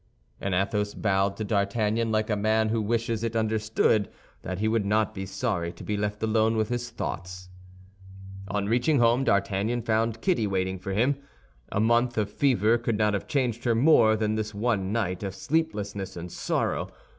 And Athos bowed to D'Artagnan like a man who wishes it understood that he would not be sorry to be left alone with his thoughts. On reaching home D'Artagnan found Kitty waiting for him. A month of fever could not have changed her more than this one night of sleeplessness and sorrow.